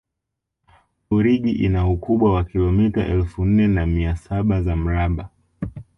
burigi ina ukubwa wa kilomita elfu nne na mia saba za mraba